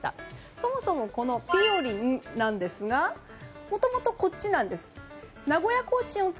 そもそもこのぴよりんなんですがもともと、こっちなんです。